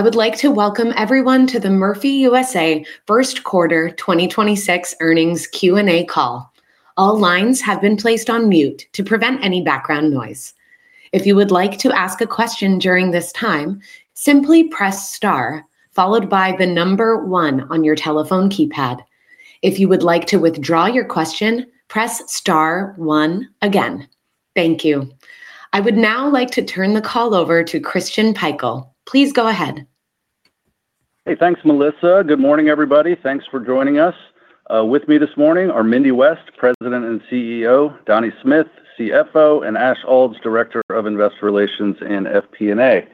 I would like to welcome everyone to the Murphy USA Q1 2026 Earnings Q&A Call. All lines have been placed on mute to prevent background calls. If you would like to ask a question please press star followed by one on your telephone keypad. To withdraw your question press star one again. I would now like to turn the call over to Christian Pikul. Please go ahead. Hey, thanks, Melissa. Good morning, everybody. Thanks for joining us. With me this morning are Mindy West, President and CEO, Donald Smith, CFO, and Ash Aulds, Director of Investor Relations and FP&A.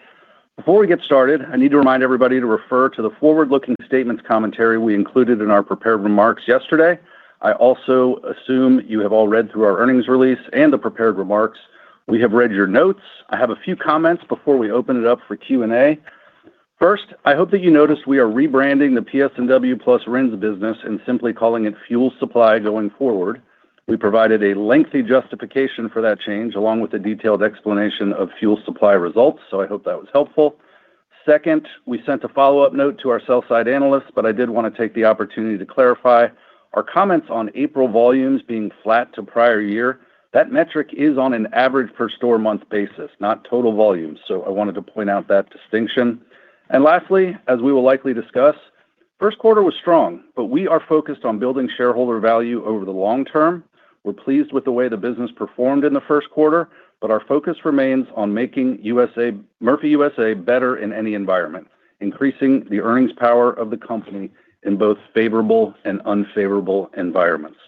Before we get started, I need to remind everybody to refer to the forward-looking statements commentary we included in our prepared remarks yesterday. I also assume you have all read through our earnings release and the prepared remarks. We have read your notes. I have a few comments before we open it up for Q&A. First, I hope that you notice we are rebranding the PS&W plus RINs business and simply calling it fuel supply going forward. We provided a lengthy justification for that change, along with a detailed explanation of fuel supply results. I hope that was helpful. Second, we sent a follow-up note to our sell-side analyst, but I did wanna take the opportunity to clarify our comments on April volumes being flat to prior year. That metric is on an average per store month basis, not total volume. I wanted to point out that distinction. Lastly, as we will likely discuss, Q1 was strong, but we are focused on building shareholder value over the long term. We're pleased with the way the business performed in the Q1, but our focus remains on making Murphy USA better in any environment, increasing the earnings power of the company in both favorable and unfavorable environments.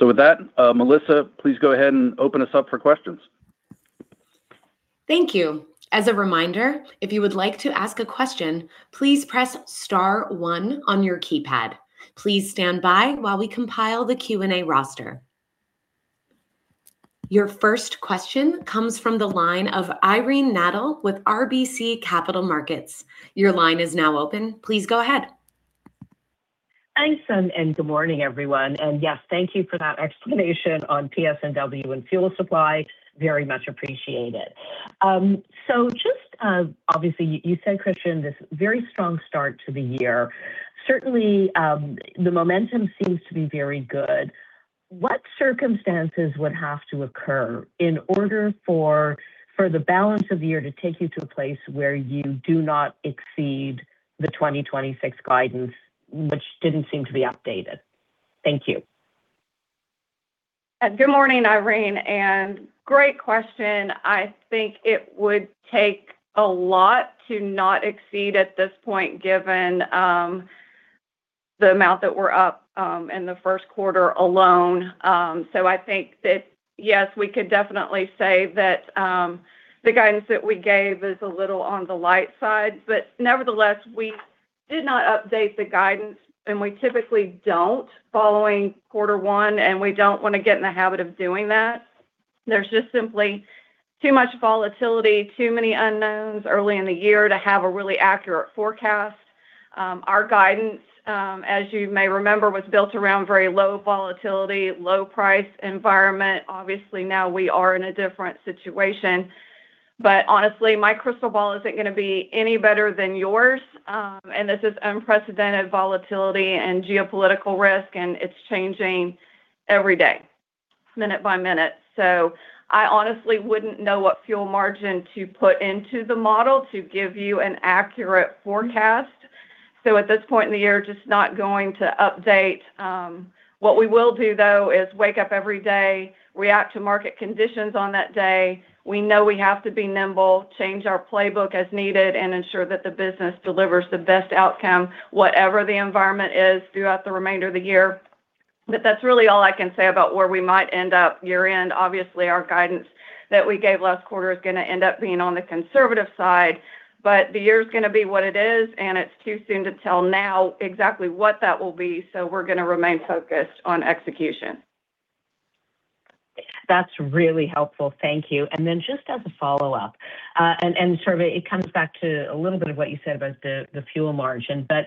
With that, Melissa, please go ahead and open us up for questions. Thank you. As a reminder, if you would like to ask a question, please press star one on your keypad. Please stand by while we compile the Q&A roster. Your first question comes from the line of Irene Nattel with RBC Capital Markets. Your line is now open. Please go ahead. Thanks. Good morning, everyone. Yes, thank you for that explanation on PS&W and fuel supply. Very much appreciated. Obviously, you said, Christian, this very strong start to the year. Certainly, the momentum seems to be very good. What circumstances would have to occur in order for the balance of the year to take you to a place where you do not exceed the 2026 guidance, which didn't seem to be updated? Thank you. Good morning, Irene. Great question. I think it would take a lot to not exceed at this point, given the amount that we're up in the Q1 alone. I think that yes, we could definitely say that the guidance that we gave is a little on the light side, but nevertheless, we did not update the guidance, and we typically don't following Q1, and we don't wanna get in the habit of doing that. There's just simply too much volatility, too many unknowns early in the year to have a really accurate forecast. Our guidance, as you may remember, was built around very low volatility, low price environment. Obviously, now we are in a different situation. Honestly, my crystal ball isn't gonna be any better than yours. This is unprecedented volatility and geopolitical risk, and it's changing every day, minute by minute. I honestly wouldn't know what fuel margin to put into the model to give you an accurate forecast. At this point in the year, just not going to update. What we will do, though, is wake up every day, react to market conditions on that day. We know we have to be nimble, change our playbook as needed, and ensure that the business delivers the best outcome, whatever the environment is throughout the remainder of the year. That's really all I can say about where we might end up year-end. Obviously, our guidance that we gave last quarter is gonna end up being on the conservative side. The year's gonna be what it is. It's too soon to tell now exactly what that will be. We're gonna remain focused on execution. That's really helpful. Thank you. Just as a follow-up, sort of it comes back to a little bit of what you said about the fuel margin, but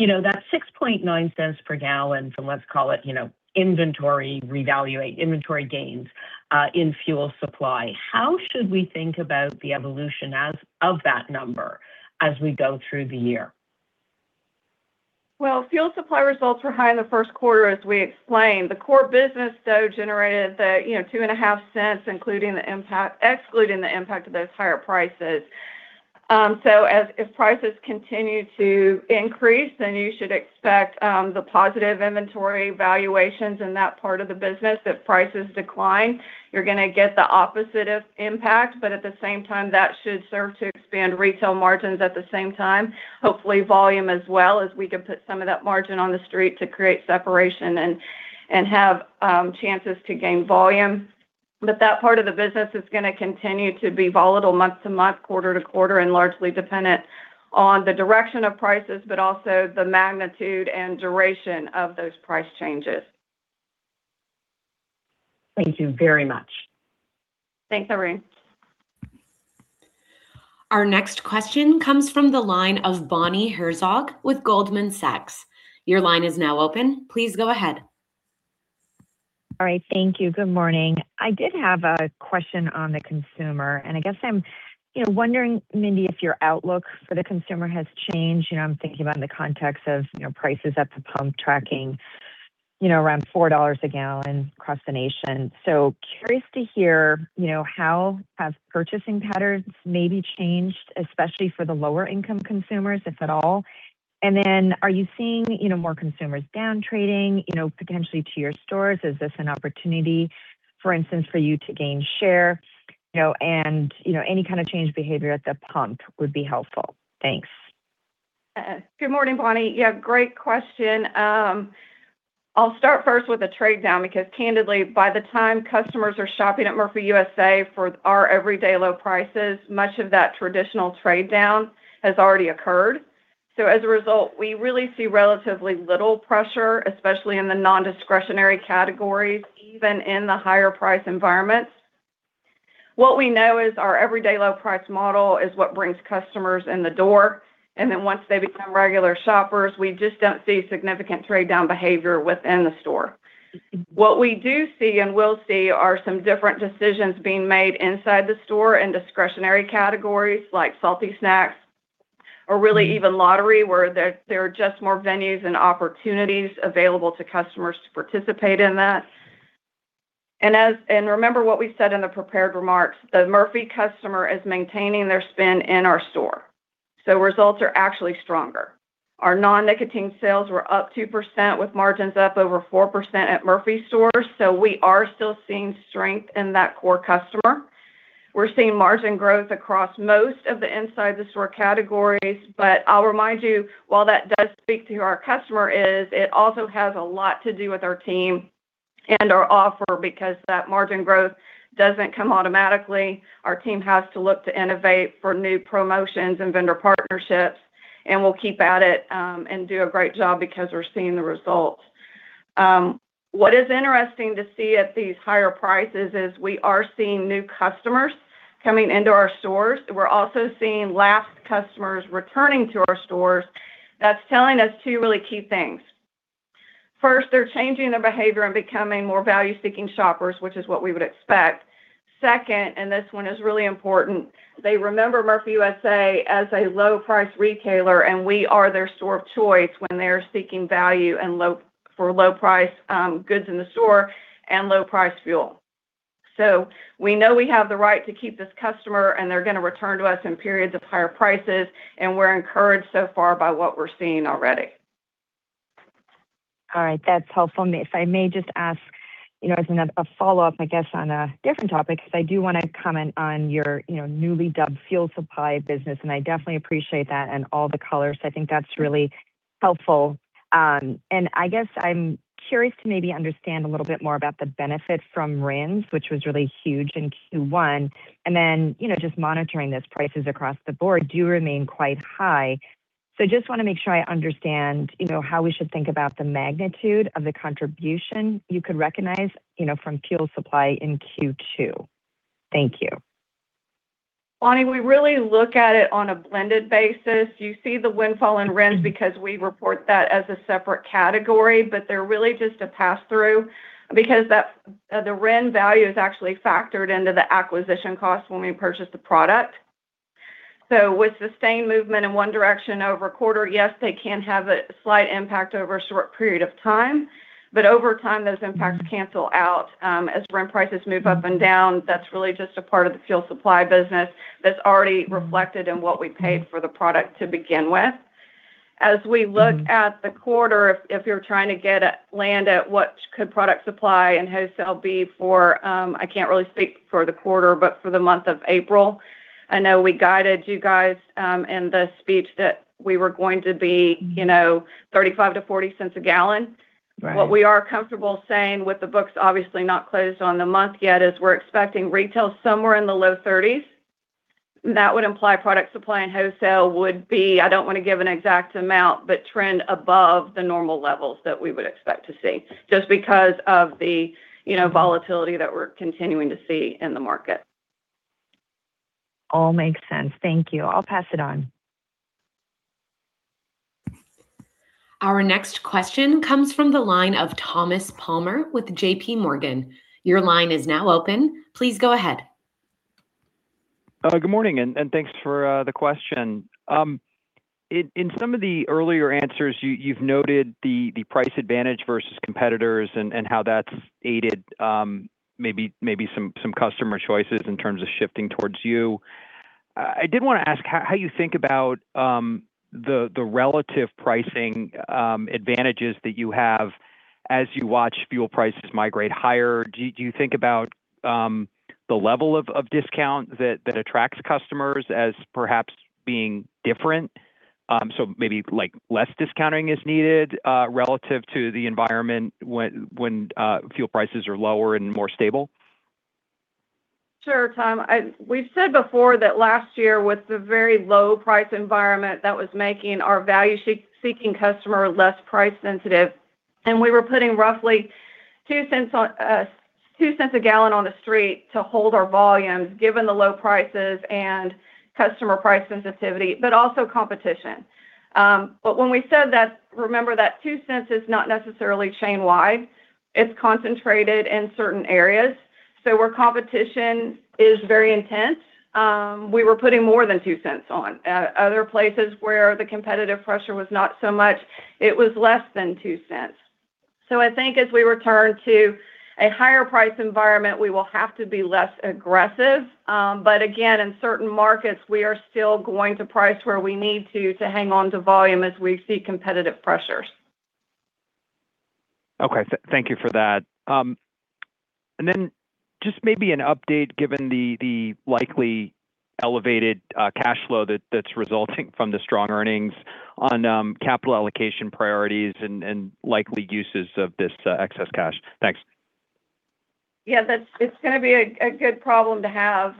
you know, that $0.069 per gallon from, let's call it, you know, inventory gains in fuel supply. How should we think about the evolution of that number as we go through the year? Fuel supply results were high in the Q1, as we explained. The core business, though, generated the, you know, $0.025, excluding the impact of those higher prices. If prices continue to increase, you should expect the positive inventory valuations in that part of the business. If prices decline, you're gonna get the opposite of impact, but at the same time, that should serve to expand retail margins at the same time. Hopefully, volume as well, as we can put some of that margin on the street to create separation and have chances to gain volume. That part of the business is gonna continue to be volatile month-to-month, quarter-to-quarter, and largely dependent on the direction of prices, but also the magnitude and duration of those price changes. Thank you very much. Thanks, Irene. Our next question comes from the line of Bonnie Herzog with Goldman Sachs. Your line is now open. Please go ahead. All right. Thank you. Good morning. I did have a question on the consumer. I guess I'm, you know, wondering, Mindy, if your outlook for the consumer has changed. You know, I'm thinking about in the context of, you know, prices at the pump tracking, you know, around $4 a gallon across the nation. Curious to hear, you know, how have purchasing patterns maybe changed, especially for the lower income consumers, if at all. Then are you seeing, you know, more consumers down trading, you know, potentially to your stores? Is this an opportunity, for instance, for you to gain share? You know, any kind of change behavior at the pump would be helpful. Thanks. Good morning, Bonnie. Great question. I'll start first with a trade down because candidly, by the time customers are shopping at Murphy USA. for our everyday low prices, much of that traditional trade down has already occurred. As a result, we really see relatively little pressure, especially in the non-discretionary categories, even in the higher price environments. What we know is our everyday low price model is what brings customers in the door, and then once they become regular shoppers, we just don't see significant trade down behavior within the store. What we do see and will see are some different decisions being made inside the store in discretionary categories like salty snacks or really even lottery, where there are just more venues and opportunities available to customers to participate in that. Remember what we said in the prepared remarks, the Murphy customer is maintaining their spend in our store. Results are actually stronger. Our non-nicotine sales were up 2% with margins up over 4% at Murphy stores. We are still seeing strength in that core customer. We're seeing margin growth across most of the inside the store categories. I'll remind you, while that does speak to who our customer is, it also has a lot to do with our team and our offer, because that margin growth doesn't come automatically. Our team has to look to innovate for new promotions and vendor partnerships. We'll keep at it and do a great job because we're seeing the results. What is interesting to see at these higher prices is we are seeing new customers coming into our stores. We're also seeing lapsed customers returning to our stores. That's telling us two really key things. First, they're changing their behavior and becoming more value-seeking shoppers, which is what we would expect. Second, and this one is really important, they remember Murphy USA as a low price retailer, and we are their store of choice when they are seeking value and low price goods in the store and low price fuel. We know we have the right to keep this customer, and they're gonna return to us in periods of higher prices, and we're encouraged so far by what we're seeing already. All right. That's helpful. If I may just ask, you know, as a follow-up, I guess, on a different topic, because I do wanna comment on your, you know, newly dubbed fuel supply business, and I definitely appreciate that and all the colors. I think that's really helpful. I guess I'm curious to maybe understand a little bit more about the benefit from RINs, which was really huge in Q1. You know, just monitoring those prices across the board do remain quite high. Just wanna make sure I understand, you know, how we should think about the magnitude of the contribution you could recognize, you know, from fuel supply in Q2. Thank you. Bonnie, we really look at it on a blended basis. You see the windfall in RINs because we report that as a separate category, but they're really just a pass through because that, the RIN value is actually factored into the acquisition cost when we purchase the product. With sustained movement in one direction over a quarter, yes, they can have a slight impact over a short period of time. Over time, those impacts cancel out, as RIN prices move up and down. That's really just a part of the fuel supply business that's already reflected in what we paid for the product to begin with. As we look at the quarter, if you're trying to land at what could product supply and wholesale be for, I can't really speak for the quarter, but for the month of April, I know we guided you guys in the speech that we were going to be, you know, $0.35-$0.40 a gallon. Right. What we are comfortable saying with the books obviously not closed on the month yet, is we're expecting retail somewhere in the low 30s. That would imply product supply and wholesale would be, I don't wanna give an exact amount, but trend above the normal levels that we would expect to see, just because of the, you know, volatility that we're continuing to see in the market. All makes sense. Thank you. I'll pass it on. Our next question comes from the line of Thomas Palmer with JPMorgan. Your line is now open. Please go ahead. Good morning, and thanks for the question. In some of the earlier answers, you've noted the price advantage versus competitors and how that's aided maybe some customer choices in terms of shifting towards you. I did wanna ask how you think about the relative pricing advantages that you have as you watch fuel prices migrate higher. Do you think about the level of discount that attracts customers as perhaps being different? Maybe, like, less discounting is needed relative to the environment when fuel prices are lower and more stable. Sure, Thomas. We've said before that last year was the very low price environment that was making our value-seeking customer less price sensitive. We were putting roughly $0.02 a gallon on the street to hold our volumes, given the low prices and customer price sensitivity, but also competition. When we said that, remember that $0.02 is not necessarily chain-wide. It's concentrated in certain areas. Where competition is very intense, we were putting more than $0.02 on. Other places where the competitive pressure was not so much, it was less than $0.02. I think as we return to a higher price environment, we will have to be less aggressive. Again, in certain markets, we are still going to price where we need to hang on to volume as we see competitive pressures. Okay. Thank you for that. Just maybe an update given the likely elevated cash flow that's resulting from the strong earnings on capital allocation priorities and likely uses of this excess cash. Thanks. Yeah, it's gonna be a good problem to have.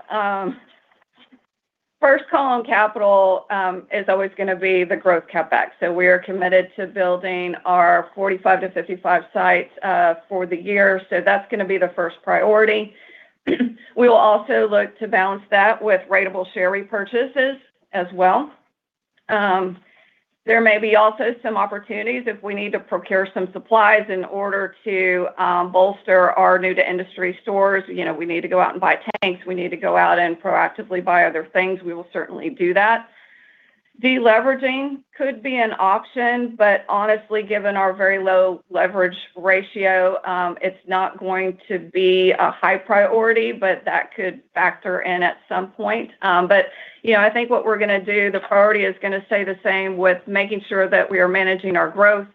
First column capital is always gonna be the growth CapEx. We are committed to building our 45 to 55 sites for the year, so that's gonna be the first priority. We will also look to balance that with ratable share repurchases as well. There may be also some opportunities if we need to procure some supplies in order to bolster our new-to-industry stores. You know, we need to go out and buy tanks, we need to go out and proactively buy other things, we will certainly do that. Deleveraging could be an option, but honestly, given our very low leverage ratio, it's not going to be a high priority, but that could factor in at some point. You know, I think what we're gonna do, the priority is gonna stay the same with making sure that we are managing our growth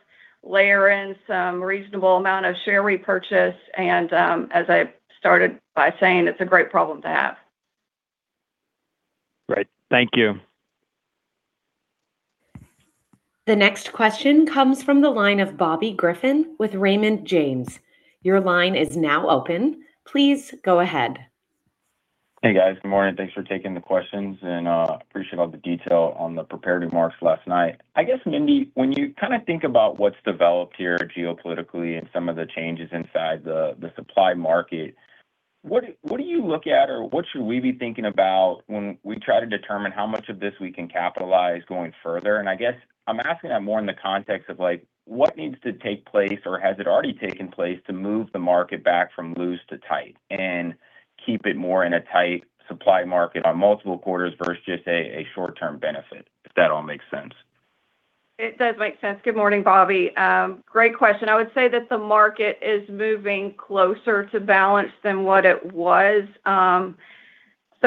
layer in some reasonable amount of share repurchase and, as I started by saying, it's a great problem to have. Great. Thank you. The next question comes from the line of Bobby Griffin with Raymond James. Your line is now open. Please go ahead. Hey, guys. Good morning. Thanks for taking the questions, and appreciate all the detail on the prepared remarks last night. I guess, Mindy, when you kind of think about what's developed here geopolitically and some of the changes inside the supply market, what do you look at or what should we be thinking about when we try to determine how much of this we can capitalize going further? I guess I'm asking that more in the context of like, what needs to take place or has it already taken place to move the market back from loose to tight and keep it more in a tight supply market on multiple quarters versus just a short-term benefit? If that all makes sense. It does make sense. Good morning, Bobby. Great question. I would say that the market is moving closer to balance than what it was.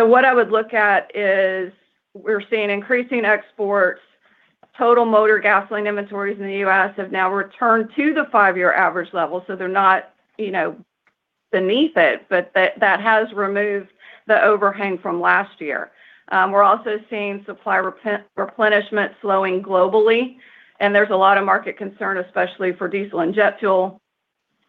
What I would look at is we're seeing increasing exports. Total motor gasoline inventories in the U.S. have now returned to the five-year average level, so they're not, you know, beneath it, but that has removed the overhang from last year. We're also seeing supply replenishment slowing globally, and there's a lot of market concern, especially for diesel and jet fuel.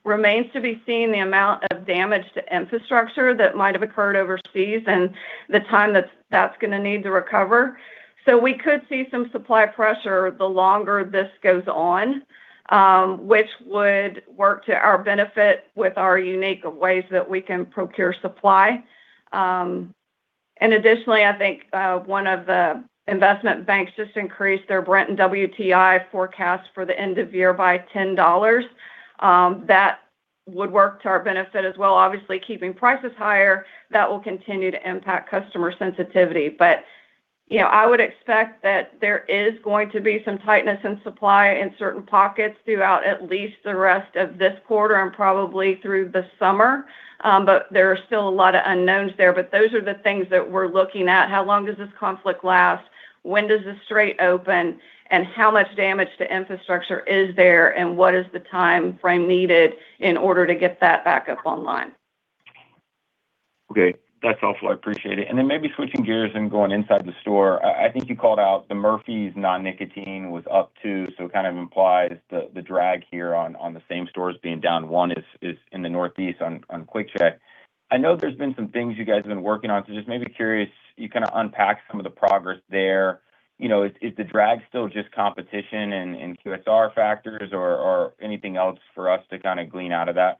Remains to be seen the amount of damage to infrastructure that might have occurred overseas and the time that's gonna need to recover. We could see some supply pressure the longer this goes on, which would work to our benefit with our unique ways that we can procure supply. Additionally, I think, one of the investment banks just increased their Brent and WTI forecast for the end of year by $10. That would work to our benefit as well. Obviously, keeping prices higher, that will continue to impact customer sensitivity. You know, I would expect that there is going to be some tightness in supply in certain pockets throughout at least the rest of this quarter and probably through the summer. There are still a lot of unknowns there, but those are the things that we're looking at. How long does this conflict last? When does the strait open? How much damage to infrastructure is there? What is the timeframe needed in order to get that back up online? Okay. That's all. I appreciate it. Then maybe switching gears and going inside the store. I think you called out the Murphy's non-nicotine was up too, so it kind of implies the drag here on the same stores being down one is in the northeast on QuickChek. I know there's been some things you guys have been working on, just maybe curious you kind of unpack some of the progress there. You know, is the drag still just competition and QSR factors or anything else for us to kind of glean out of that?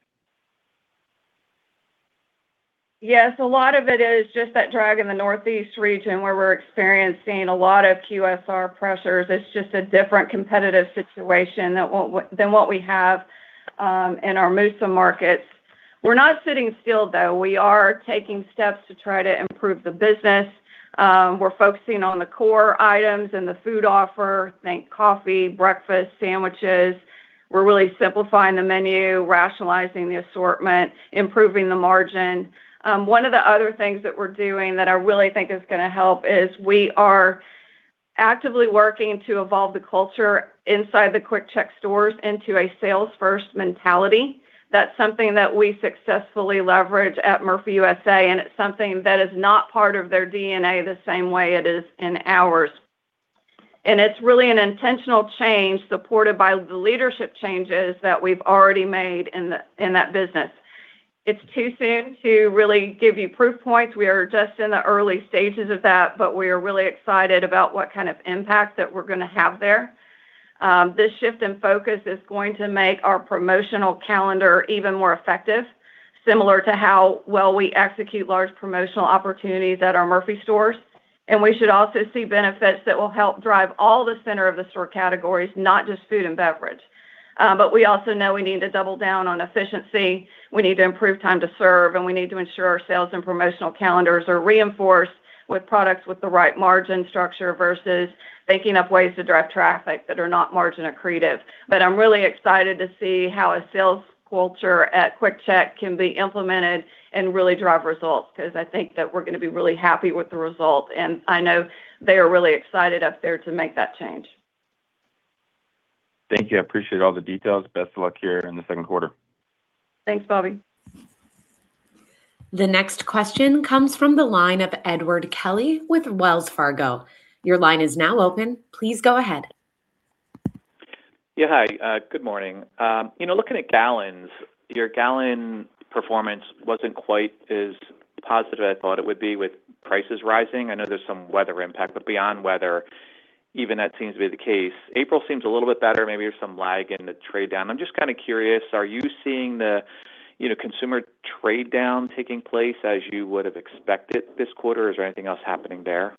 Yes, a lot of it is just that drag in the northeast region where we're experiencing a lot of QSR pressures. It's just a different competitive situation than what we have in our MUSA markets. We're not sitting still, though. We are taking steps to try to improve the business. We're focusing on the core items and the food offer. Think coffee, breakfast, sandwiches. We're really simplifying the menu, rationalizing the assortment, improving the margin. One of the other things that we're doing that I really think is gonna help is we are actively working to evolve the culture inside the QuickChek stores into a sales-first mentality. That's something that we successfully leverage at Murphy USA, and it's something that is not part of their DNA the same way it is in ours. It's really an intentional change supported by the leadership changes that we've already made in that business. It's too soon to really give you proof points. We are just in the early stages of that, but we are really excited about what kind of impact that we're going to have there. This shift in focus is going to make our promotional calendar even more effective, similar to how well we execute large promotional opportunities at our Murphy stores. We should also see benefits that will help drive all the center-of-the-store categories, not just food and beverage. We also know we need to double down on efficiency, we need to improve time to serve, and we need to ensure our sales and promotional calendars are reinforced with products with the right margin structure versus making up ways to drive traffic that are not margin accretive. I'm really excited to see how a sales culture at QuickChek can be implemented and really drive results, 'cause I think that we're gonna be really happy with the result, and I know they are really excited up there to make that change. Thank you. I appreciate all the details. Best of luck here in Q2. Thanks, Bobby. The next question comes from the line of Edward Kelly with Wells Fargo. Your line is now open. Please go ahead. Yeah. Hi, good morning. You know, looking at gallons, your gallon performance wasn't quite as positive as I thought it would be with prices rising. I know there's some weather impact, beyond weather, even that seems to be the case. April seems a little bit better. Maybe there's some lag in the trade-down. I'm just kinda curious, are you seeing the, you know, consumer trade-down taking place as you would've expected this quarter? Is there anything else happening there?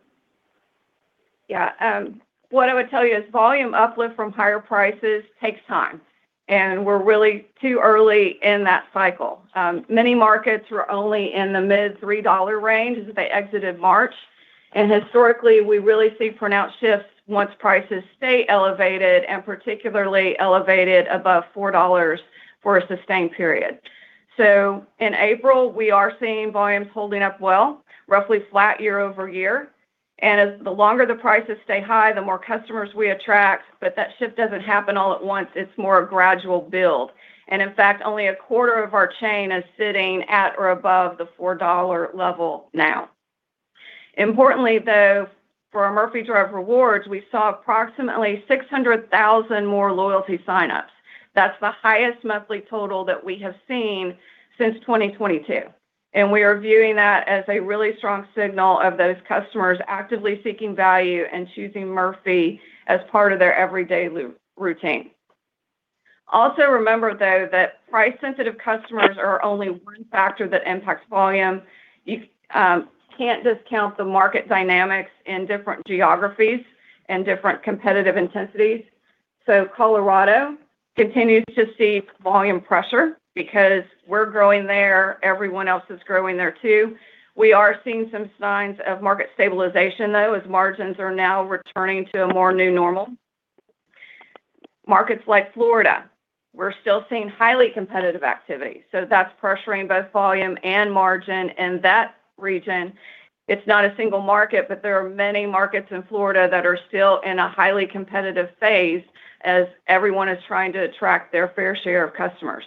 Yeah. What I would tell you is volume uplift from higher prices takes time, and we're really too early in that cycle. Many markets were only in the mid $3 range as they exited March, and historically, we really see pronounced shifts once prices stay elevated and particularly elevated above $4 for a sustained period. In April, we are seeing volumes holding up well, roughly flat year-over-year. As the longer the prices stay high, the more customers we attract, but that shift doesn't happen all at once. It's more a gradual build. In fact, only a quarter of our chain is sitting at or above the $4 level now. Importantly, though, for our Murphy Drive Rewards, we saw approximately 600,000 more loyalty signups. That's the highest monthly total that we have seen since 2022, and we are viewing that as a really strong signal of those customers actively seeking value and choosing Murphy as part of their everyday routine. Also remember, though, that price-sensitive customers are only one factor that impacts volume. You can't discount the market dynamics in different geographies and different competitive intensities. Colorado continues to see volume pressure. Because we're growing there, everyone else is growing there too. We are seeing some signs of market stabilization, though, as margins are now returning to a more new normal. Markets like Florida, we're still seeing highly competitive activity, so that's pressuring both volume and margin in that region. It's not a single market, there are many markets in Florida that are still in a highly competitive phase as everyone is trying to attract their fair share of customers.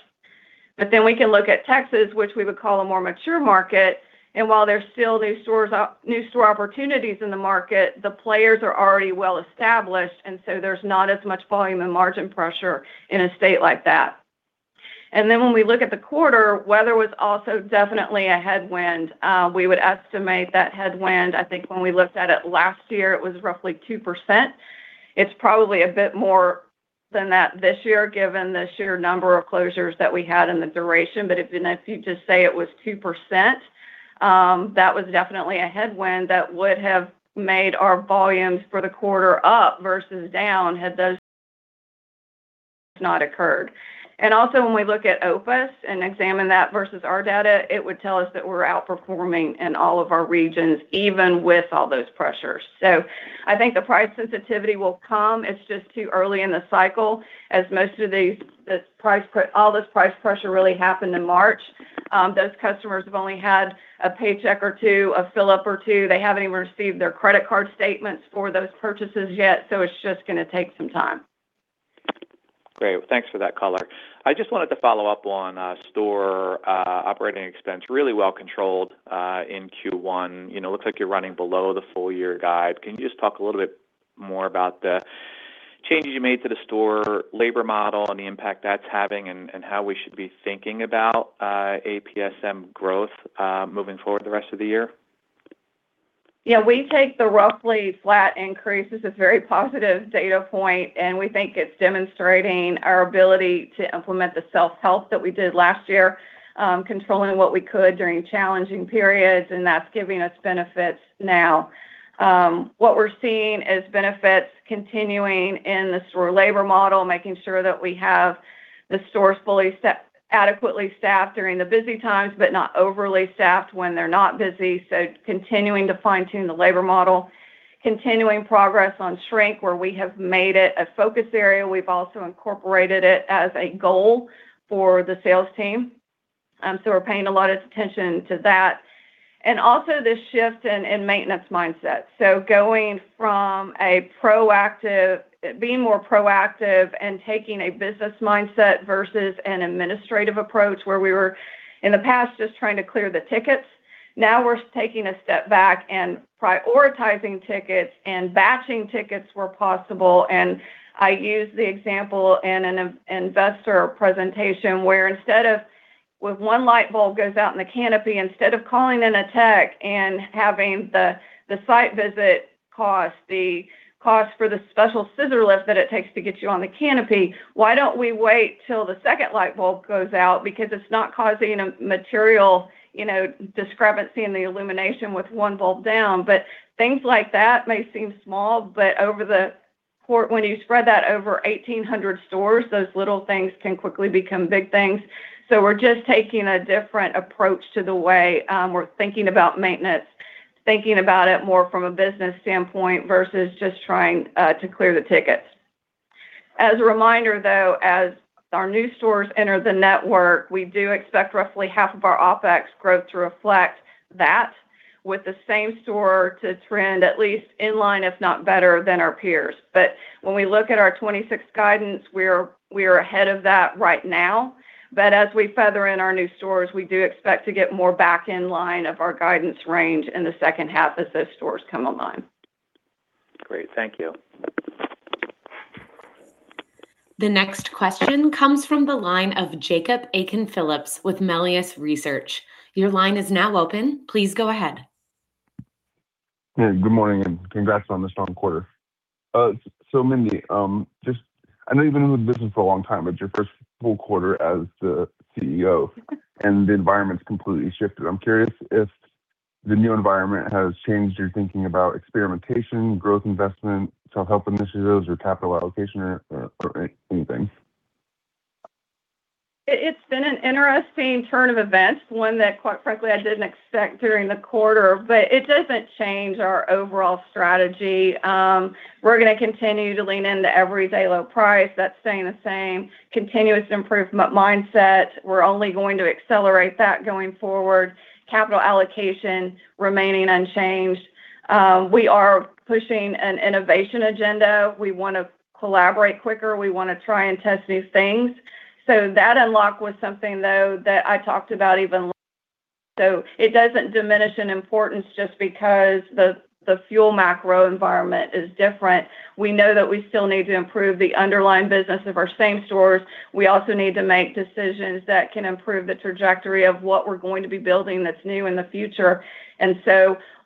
We can look at Texas, which we would call a more mature market, and while there's still these stores, new store opportunities in the market, the players are already well established, and so there's not as much volume and margin pressure in a state like that. When we look at the quarter, weather was also definitely a headwind. We would estimate that headwind, I think when we looked at it last year, it was roughly 2%. It's probably a bit more than that this year, given the sheer number of closures that we had and the duration. You know, if you just say it was 2%, that was definitely a headwind that would have made our volumes for the quarter up versus down had those not occurred. Also, when we look at OPIS and examine that versus our data, it would tell us that we're outperforming in all of our regions, even with all those pressures. I think the price sensitivity will come. It's just too early in the cycle as most of these, all this price pressure really happened in March. Those customers have only had a paycheck or two, a fill-up or two. They haven't even received their credit card statements for those purchases yet, it's just gonna take some time. Great. Thanks for that color. I just wanted to follow up on, store, operating expense. Really well controlled, in Q1. You know, looks like you're running below the full year guide. Can you just talk a little bit more about the changes you made to the store labor model and the impact that's having and how we should be thinking about, APSM growth, moving forward the rest of the year? Yeah. We take the roughly flat increase as a very positive data point. We think it's demonstrating our ability to implement the self-help that we did last year, controlling what we could during challenging periods. That's giving us benefits now. What we're seeing is benefits continuing in the store labor model, making sure that we have the stores adequately staffed during the busy times, but not overly staffed when they're not busy. Continuing to fine-tune the labor model. Continuing progress on shrink, where we have made it a focus area. We've also incorporated it as a goal for the sales team. We're paying a lot of attention to that. Also, the shift in maintenance mindset, so going from a proactive, being more proactive and taking a business mindset versus an administrative approach, where we were, in the past, just trying to clear the tickets. Now, we're taking a step back and prioritizing tickets and batching tickets where possible. I use the example in an investor presentation, where when one light bulb goes out in the canopy, instead of calling in a tech and having the site visit cost, the cost for the special scissor lift that it takes to get you on the canopy, why don't we wait till the second light bulb goes out? It's not causing a material, you know, discrepancy in the illumination with one bulb down. Things like that may seem small, but over the course. When you spread that over 1,800 stores, those little things can quickly become big things. We're just taking a different approach to the way we're thinking about maintenance, thinking about it more from a business standpoint versus just trying to clear the tickets. As a reminder though, as our new stores enter the network, we do expect roughly half of our OpEx growth to reflect that with the same store to trend, at least in line, if not better than our peers. When we look at our 26 guidance, we're ahead of that right now. As we feather in our new stores, we do expect to get more back in line of our guidance range in the second half as those stores come online. Great. Thank you. The next question comes from the line of Jacob Aiken-Phillips with Melius Research. Your line is now open. Please go ahead. Hey, good morning, congrats on the strong quarter. Mindy, I know you've been in the business a long time, but your first full quarter as the CEO, and the environment's completely shifted. I'm curious if the new environment has changed your thinking about experimentation, growth investment, self-help initiatives, or capital allocation or anything. It's been an interesting turn of events, one that quite frankly I didn't expect during the quarter. It doesn't change our overall strategy. We're gonna continue to lean into everyday low price. That's staying the same. Continuous improvement mindset, we're only going to accelerate that going forward. Capital allocation remaining unchanged. We are pushing an innovation agenda. We wanna collaborate quicker. We wanna try and test new things. That unlock was something, though, that I talked about even. It doesn't diminish in importance just because the fuel macro environment is different. We know that we still need to improve the underlying business of our same stores. We also need to make decisions that can improve the trajectory of what we're going to be building that's new in the future.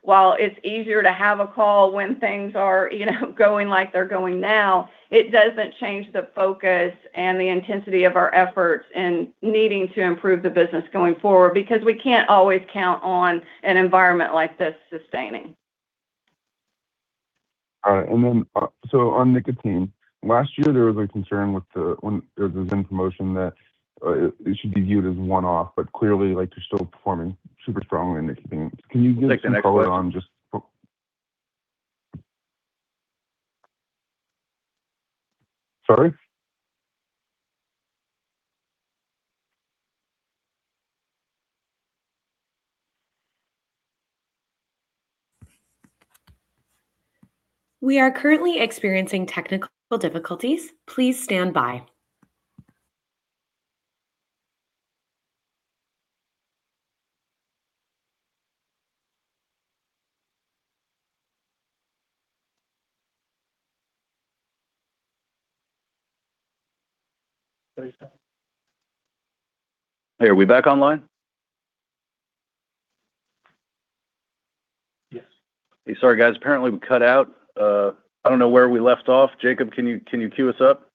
While it's easier to have a call when things are, you know, going like they're going now, it doesn't change the focus and the intensity of our efforts in needing to improve the business going forward, because we can't always count on an environment like this sustaining. All right. On nicotine, last year there was a concern when there was a promotion that, it should be viewed as one-off, but clearly, like, you're still performing super strongly in nicotine. Can you give us color on just- Next question. Sorry? We are currently experiencing technical difficulties. Please stand by. Hey, are we back online? Yes. Hey, sorry, guys, apparently we cut out. I don't know where we left off. Jacob, can you queue us up?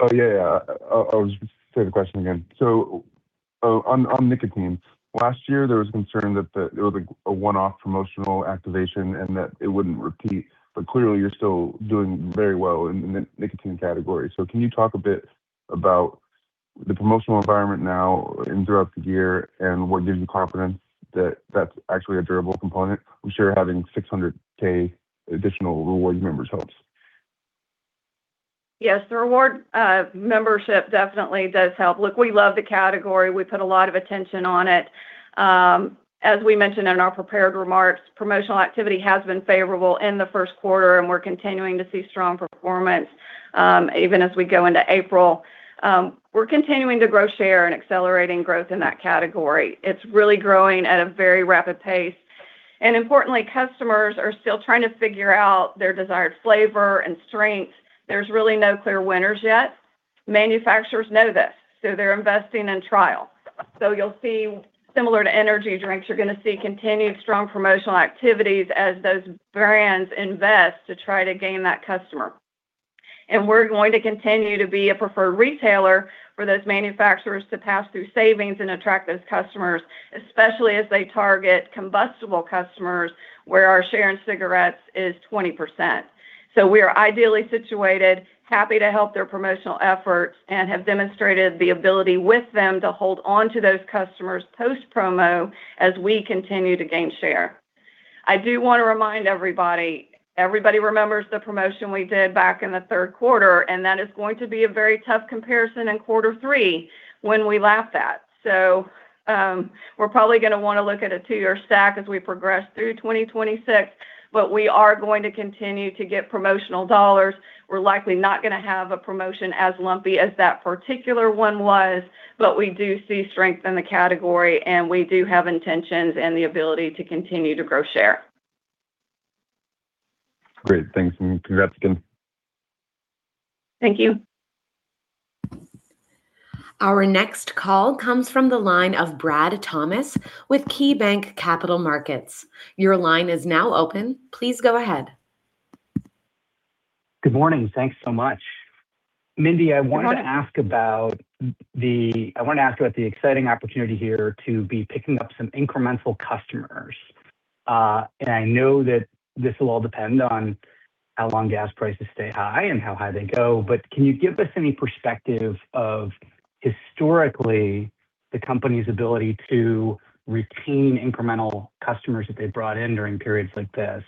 Oh, yeah. I'll just say the question again. On nicotine, last year there was concern that it was like a one-off promotional activation and that it wouldn't repeat. Clearly you're still doing very well in the nicotine category. Can you talk a bit about the promotional environment now and throughout the year and what gives you confidence that that's actually a durable component? I'm sure having 600K additional rewards members helps. Yes, the reward membership definitely does help. Look, we love the category. We put a lot of attention on it. As we mentioned in our prepared remarks, promotional activity has been favorable in the Q1, and we're continuing to see strong performance, even as we go into April. We're continuing to grow share and accelerating growth in that category. It's really growing at a very rapid pace. Importantly, customers are still trying to figure out their desired flavor and strength. There's really no clear winners yet. Manufacturers know this, so they're investing in trial. You'll see, similar to energy drinks, you're gonna see continued strong promotional activities as those brands invest to try to gain that customer. We're going to continue to be a preferred retailer for those manufacturers to pass through savings and attract those customers, especially as they target combustible customers, where our share in cigarettes is 20%. We are ideally situated, happy to help their promotional efforts, and have demonstrated the ability with them to hold on to those customers post-promo as we continue to gain share. I do want to remind everybody remembers the promotion we did back in Q3, that is going to be a very tough comparison in Q3 when we lap that. We're probably going to want to look at a two-year stack as we progress through 2026, but we are going to continue to get promotional dollars. We're likely not gonna have a promotion as lumpy as that particular one was, but we do see strength in the category, and we do have intentions and the ability to continue to grow share. Great. Thanks, and congrats again. Thank you. Our next call comes from the line of Brad Thomas with KeyBanc Capital Markets. Your line is now open. Please go ahead. Good morning. Thanks so much. Mindy, I wanted to ask about the exciting opportunity here to be picking up some incremental customers. I know that this will all depend on how long gas prices stay high and how high they go, but can you give us any perspective of historically the company's ability to retain incremental customers that they've brought in during periods like this?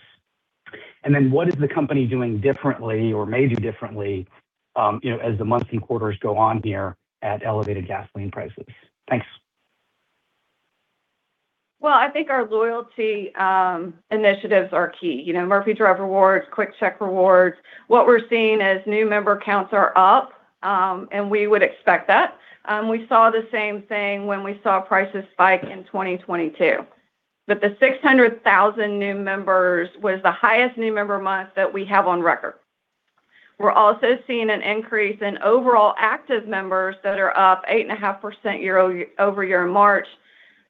What is the company doing differently or may do differently, you know, as the months and quarters go on here at elevated gasoline prices? Thanks. Well, I think our loyalty initiatives are key. You know, Murphy Drive Rewards, QuickChek Rewards. What we're seeing is new member counts are up, and we would expect that. We saw the same thing when we saw prices spike in 2022. The 600,000 new members was the highest new member month that we have on record. We're also seeing an increase in overall active members that are up 8.5% year-over-year in March.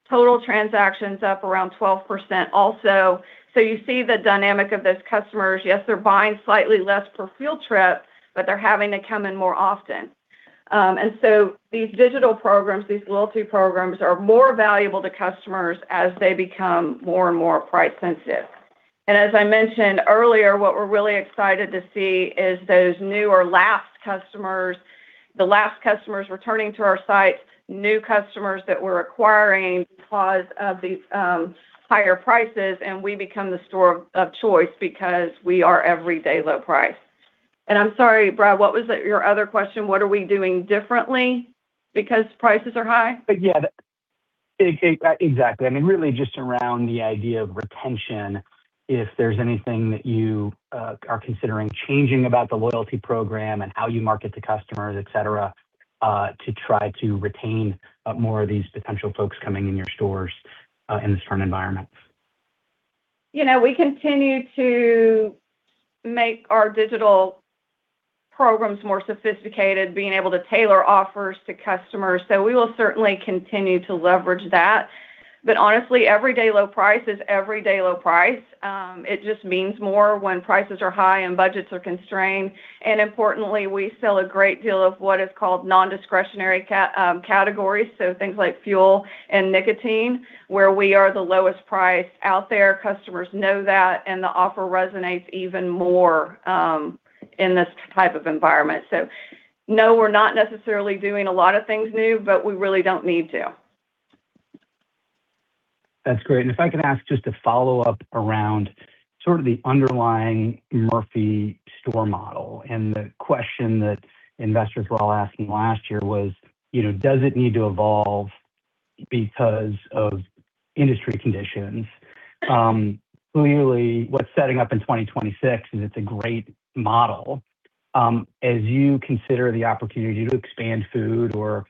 Total transactions up around 12% also. You see the dynamic of those customers. Yes, they're buying slightly less per fuel trip, but they're having to come in more often. These digital programs, these loyalty programs, are more valuable to customers as they become more and more price sensitive. As I mentioned earlier, what we're really excited to see is those new or lapsed customers, the lapsed customers returning to our sites, new customers that we're acquiring because of these higher prices, and we become the store of choice because we are everyday low price. I'm sorry, Brad, what was the, your other question? What are we doing differently because prices are high? Yeah. Exactly. I mean, really just around the idea of retention, if there's anything that you are considering changing about the loyalty program and how you market to customers, et cetera, to try to retain more of these potential folks coming in your stores in this current environment. You know, we continue to make our digital programs more sophisticated, being able to tailor offers to customers. We will certainly continue to leverage that. Honestly, everyday low price is everyday low price. It just means more when prices are high and budgets are constrained. Importantly, we sell a great deal of what is called non-discretionary categories, so things like fuel and nicotine, where we are the lowest price out there. Customers know that, and the offer resonates even more in this type of environment. No, we're not necessarily doing a lot of things new, but we really don't need to. That's great. If I could ask just a follow-up around sort of the underlying Murphy store model, the question that investors were all asking last year was, you know, does it need to evolve because of industry conditions? Clearly what's setting up in 2026 is it's a great model. As you consider the opportunity to expand food or,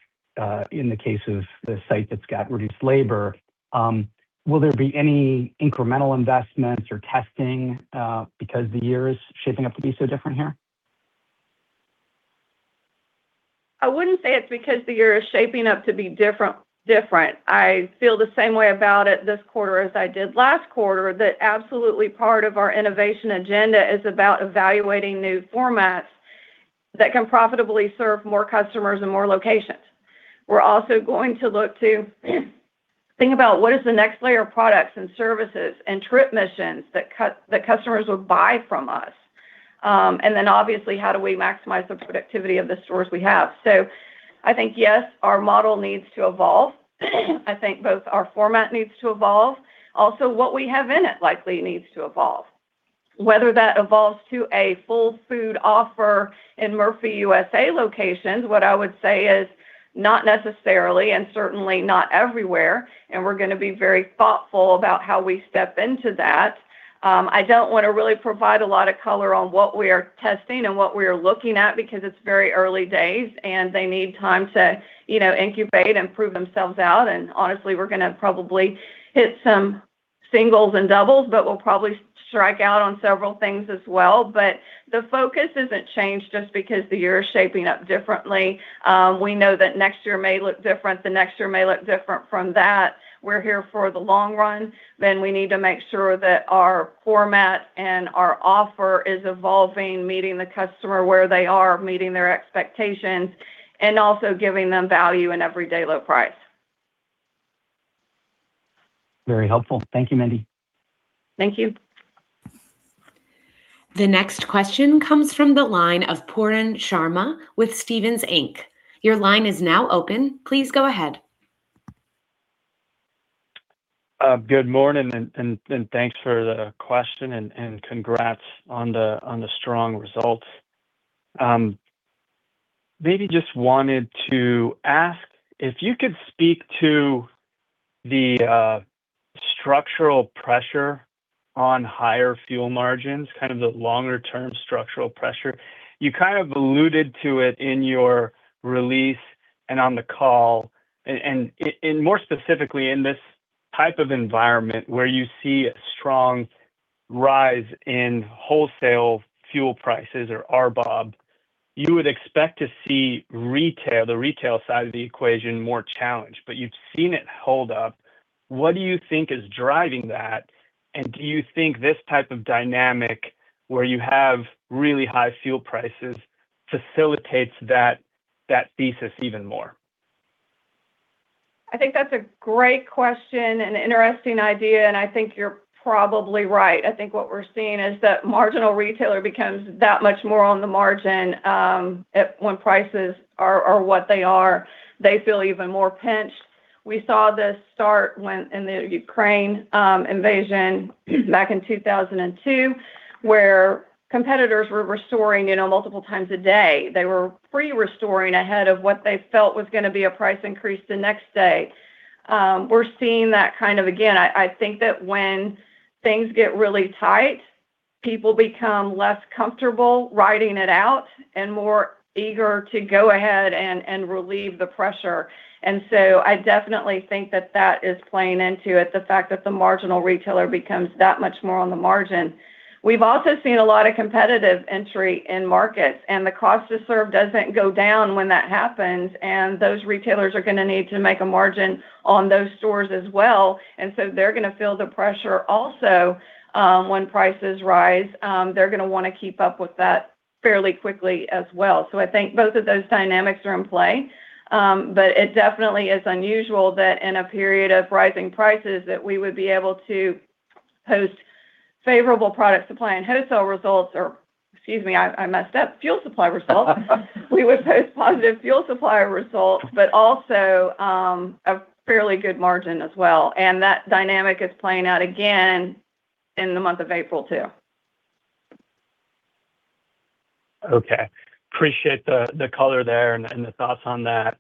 in the case of the site that's got reduced labor, will there be any incremental investments or testing, because the year is shaping up to be so different here? I wouldn't say it's because the year is shaping up to be different. I feel the same way about it this quarter as I did last quarter, that absolutely part of our innovation agenda is about evaluating new formats that can profitably serve more customers and more locations. We're also going to look to think about what is the next layer of products and services and trip missions that customers would buy from us. Then obviously, how do we maximize the productivity of the stores we have? I think, yes, our model needs to evolve. I think both our format needs to evolve. Also, what we have in it likely needs to evolve. Whether that evolves to a full food offer in Murphy USA location, what I would say is not necessarily, and certainly not everywhere. We're gonna be very thoughtful about how we step into that. I don't wanna really provide a lot of color on what we are testing and what we are looking at because it's very early days. They need time to, you know, incubate and prove themselves out. Honestly, we're gonna probably hit some singles and doubles. We'll probably strike out on several things as well. The focus isn't changed just because the year is shaping up differently. We know that next year may look different, the next year may look different from that. We're here for the long run, we need to make sure that our format and our offer is evolving, meeting the customer where they are, meeting their expectations, and also giving them value in everyday low price. Very helpful. Thank you, Mindy. Thank you. The next question comes from the line of Pooran Sharma with Stephens Inc. Your line is now open. Please go ahead. Good morning, and thanks for the question and congrats on the strong results. Maybe just wanted to ask if you could speak to the structural pressure on higher fuel margins, kind of the longer term structural pressure. You kind of alluded to it in your release and on the call and more specifically in this type of environment where you see a strong rise in wholesale fuel prices or RBOB, you would expect to see retail, the retail side of the equation more challenged. But you've seen it hold up. What do you think is driving that? Do you think this type of dynamic, where you have really high fuel prices, facilitates that thesis even more? I think that's a great question and an interesting idea. I think you're probably right. I think what we're seeing is that marginal retailer becomes that much more on the margin when prices are what they are. They feel even more pinched. We saw this start when, in the Ukraine invasion back in 2002, where competitors were restoring, you know, multiple times a day. They were pre-restoring ahead of what they felt was gonna be a price increase the next day. We're seeing that kind of again. I think that when things get really tight, people become less comfortable riding it out and more eager to go ahead and relieve the pressure. I definitely think that that is playing into it, the fact that the marginal retailer becomes that much more on the margin. We've also seen a lot of competitive entry in markets, and the cost to serve doesn't go down when that happens, and those retailers are gonna need to make a margin on those stores as well. They're gonna feel the pressure also when prices rise. They're gonna wanna keep up with that fairly quickly as well. I think both of those dynamics are in play. It definitely is unusual that in a period of rising prices, that we would be able to post positive fuel supply results, but also, a fairly good margin as well, and that dynamic is playing out again in the month of April too. Okay. Appreciate the color there and the thoughts on that.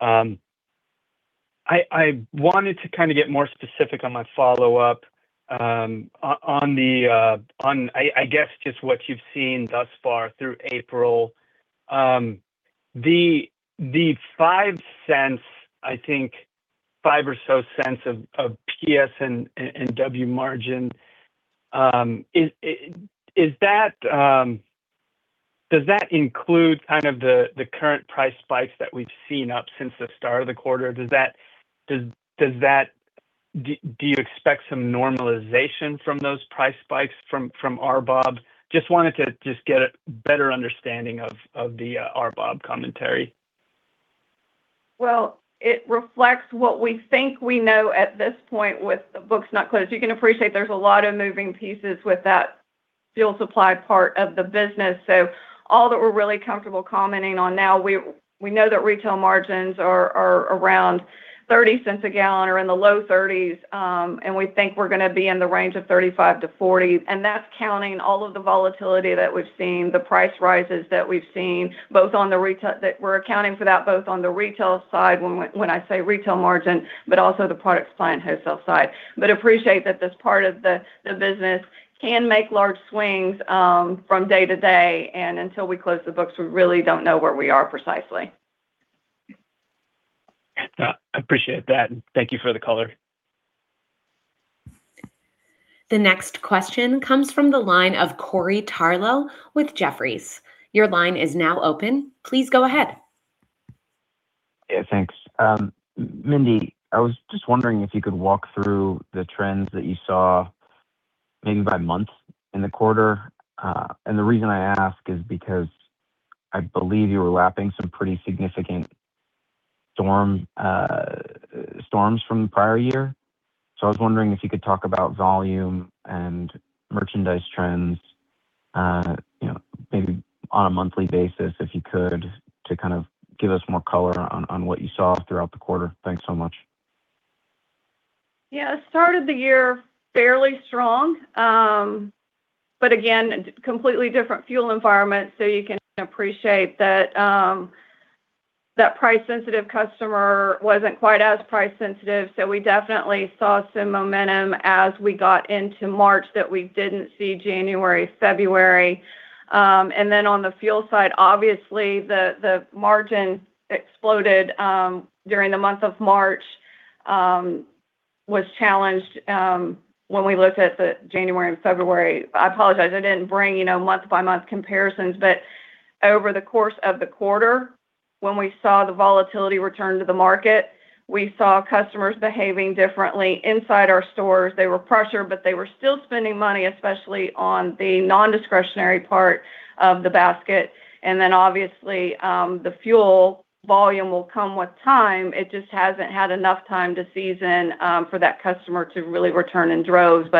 I wanted to kind of get more specific on my follow-up on the, I guess just what you've seen thus far through April. The $0.05, I think $0.05 or so of PS&W margin. Does that include kind of the current price spikes that we've seen up since the start of the quarter? Do you expect some normalization from those price spikes from RBOB? Just wanted to just get a better understanding of the RBOB commentary. Well, it reflects what we think we know at this point with the books not closed. You can appreciate there's a lot of moving pieces with that fuel supply part of the business. All that we're really comfortable commenting on now, we know that retail margins are around $0.30 a gallon or in the low 30s. We think we're gonna be in the range of $0.35-$0.40, and that's counting all of the volatility that we've seen, the price rises that we've seen, that we're accounting for that both on the retail side when I say retail margin, but also the product supply and wholesale side. Appreciate that this part of the business can make large swings from day to day. Until we close the books, we really don't know where we are precisely. Appreciate that. Thank you for the color. The next question comes from the line of Corey Tarlowe with Jefferies. Your line is now open. Please go ahead. Yeah, thanks. Mindy, I was just wondering if you could walk through the trends that you saw maybe by month in the quarter. The reason I ask is because I believe you were lapping some pretty significant storm storms from the prior year. I was wondering if you could talk about volume and merchandise trends, maybe on a monthly basis, if you could, to kind of give us more color on what you saw throughout the quarter. Thanks so much. Yeah. Start of the year, fairly strong. Again, completely different fuel environment, so you can appreciate that price-sensitive customer wasn't quite as price sensitive. We definitely saw some momentum as we got into March that we didn't see January, February. On the fuel side, obviously the margin exploded during the month of March, was challenged when we looked at the January and February. I apologize, I didn't bring, you know, month-by-month comparisons. Over the course of the quarter, when we saw the volatility return to the market, we saw customers behaving differently inside our stores. They were pressured, but they were still spending money, especially on the non-discretionary part of the basket. Obviously, the fuel volume will come with time. It just hasn't had enough time to season for that customer to really return in droves.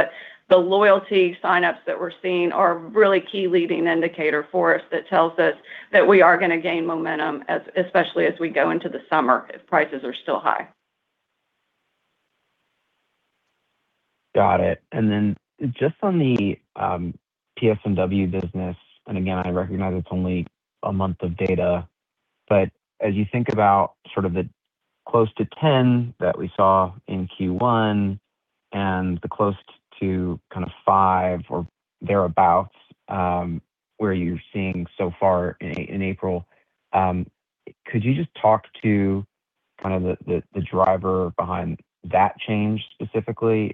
The loyalty sign-ups that we're seeing are a really key leading indicator for us that tells us that we are gonna gain momentum, as, especially as we go into the summer, if prices are still high. Got it. Then just on the PS&W business, and again, I recognize it's only a month of data, but as you think about sort of the close to 10 that we saw in Q1 and the close to five or thereabout, where you're seeing so far in April. Could you just talk to the driver behind that change specifically,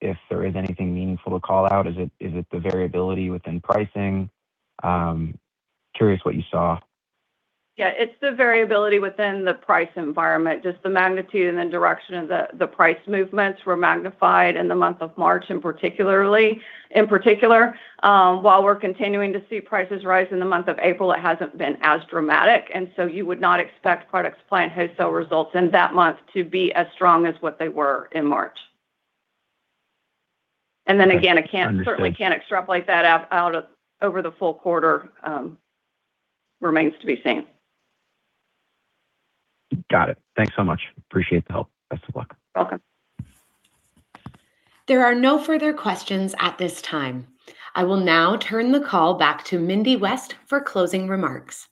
if there is anything meaningful to call out? Is it the variability within pricing? Curious what you saw. Yeah. It's the variability within the price environment. Just the magnitude and the direction of the price movements were magnified in the month of March, in particular. While we're continuing to see prices rise in the month of April, it hasn't been as dramatic. You would not expect products supply and wholesale results in that month to be as strong as what they were in March. Understood... I can't, certainly can't extrapolate that out over the full quarter. Remains to be seen. Got it. Thanks so much. Appreciate the help. Best of luck. Welcome. There are no further questions at this time. I will now turn the call back to Mindy West for closing remarks.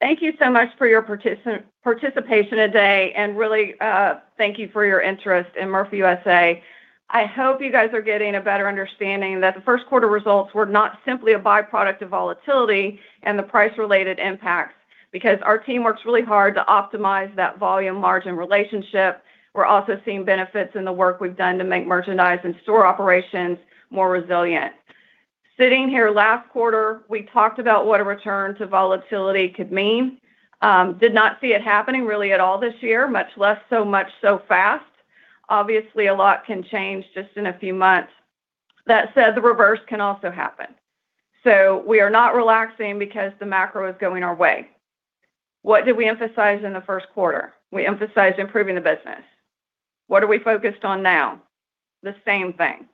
Thank you so much for your participation today, really, thank you for your interest in Murphy USA. I hope you guys are getting a better understanding that the Q1 results were not simply a byproduct of volatility and the price-related impacts, because our team works really hard to optimize that volume margin relationship. We're also seeing benefits in the work we've done to make merchandise and store operations more resilient. Sitting here last quarter, we talked about what a return to volatility could mean. Did not see it happening really at all this year, much less, so much so fast. Obviously, a lot can change just in a few months. That said, the reverse can also happen. We are not relaxing because the macro is going our way. What did we emphasize in the Q1? We emphasized improving the business. What are we focused on now? The same thing.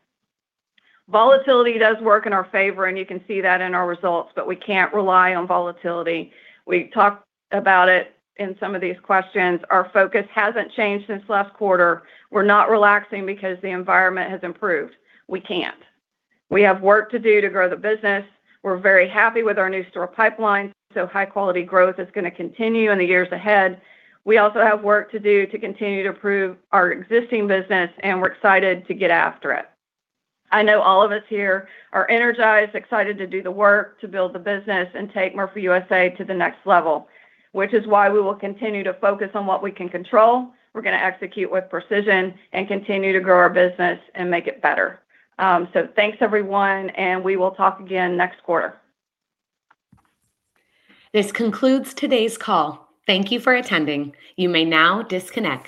Volatility does work in our favor, and you can see that in our results, but we can't rely on volatility. We talked about it in some of these questions. Our focus hasn't changed since last quarter. We're not relaxing because the environment has improved. We can't. We have work to do to grow the business. We're very happy with our new store pipeline, so high quality growth is gonna continue in the years ahead. We also have work to do to continue to improve our existing business, and we're excited to get after it. I know all of us here are energized, excited to do the work, to build the business and take Murphy USA to the next level, which is why we will continue to focus on what we can control. We're gonna execute with precision and continue to grow our business and make it better. Thanks everyone, and we will talk again next quarter. This concludes today's call. Thank you for attending. You may now disconnect.